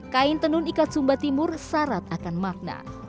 kain tenun ikat sumba timur syarat akan makna